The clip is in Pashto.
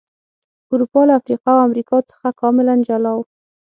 اروپا له افریقا او امریکا څخه کاملا جلا و.